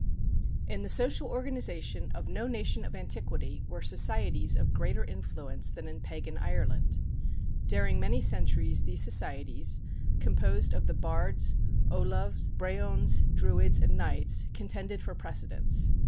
_. In the social organization of no nation of antiquity were societies of greater influence than in pagan Ireland. During many centuries these societies, composed of the bards, ollamhs, brehons, druids, and knights, contended for precedence.